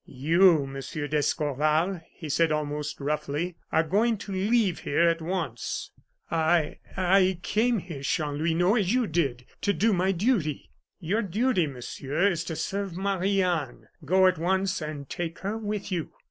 "You, Monsieur d'Escorval," he said, almost roughly, "are going to leave here and at once." "I I came here, Chanlouineau, as you did, to do my duty." "Your duty, Monsieur, is to serve Marie Anne. Go at once, and take her with you."